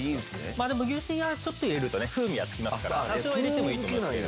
まあでも牛脂はちょっと入れるとね風味はつきますから多少は入れてもいいと思います。